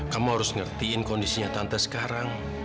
kamu harus ngertiin kondisinya tante sekarang